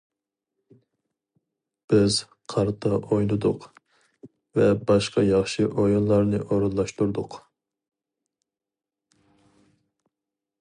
بىز قارتا ئوينىدۇق ۋە باشقا ياخشى ئويۇنلارنى ئورۇنلاشتۇردۇق.